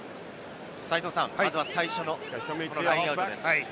まずは最初のラインアウトです。